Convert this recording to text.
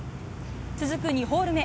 続く２ホール目。